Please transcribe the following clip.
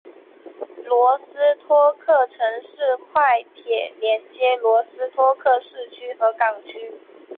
罗斯托克城市快铁连接罗斯托克市区和港区。